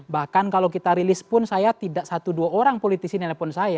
bahkan kalau kita rilis pun saya tidak satu dua orang politisi nelpon saya